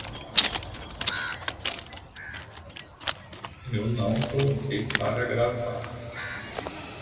Frutas são ótimos ingredientes para sobremesas.